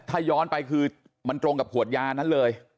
ถ้าย้อนไปคือมันตรงกับขวดยานั้นเลย